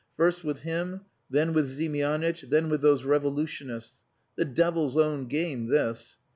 First with him, then with Ziemianitch, then with those revolutionists. The devil's own game this....